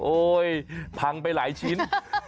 โอ้โห้ยพังไปหลายชิ้น